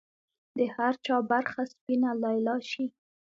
د هر چا برخه سپینه لیلا شي